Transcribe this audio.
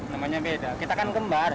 namanya beda kita kan kembar